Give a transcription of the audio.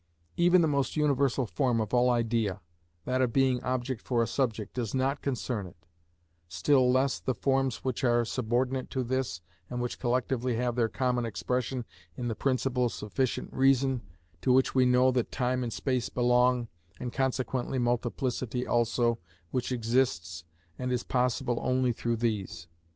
Even the most universal form of all idea, that of being object for a subject, does not concern it; still less the forms which are subordinate to this and which collectively have their common expression in the principle of sufficient reason, to which we know that time and space belong, and consequently multiplicity also, which exists and is possible only through these.